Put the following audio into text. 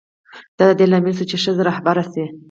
دا د دې لامل شو چې ښځه رهبره شي.